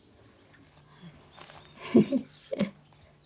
フフッフ。